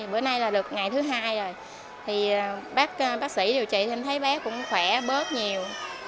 bữa nay là được ngày thứ hai rồi thì bác sĩ điều trị thì nhìn thấy bé cũng khỏe bớt nhiều